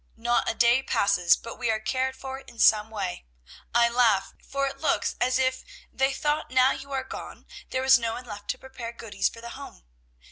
Not a day passes but we are cared for in some way. I laugh, for it looks as if they thought now you are gone there was no one left to prepare goodies for the home.